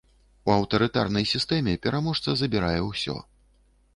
У аўтарытарнай сістэме пераможца забірае ўсё.